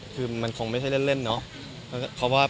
คือมันคงไม่ใช่เล่นเนาะ